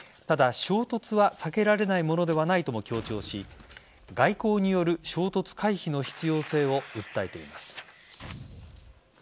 ただ、衝突は避けられないものではないとも強調し外交による衝突回避の必要性を訴えています。